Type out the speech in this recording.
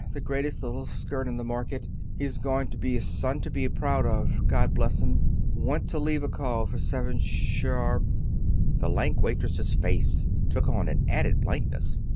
the greatest little skirt on the market ... he's going to be a son to be proud of, God bless him ... Want to leave a call for seven sharp " The lank waitress's face took on an added blankness.